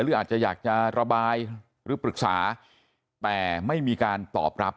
หรืออาจจะอยากจะระบายหรือปรึกษาแต่ไม่มีการตอบรับ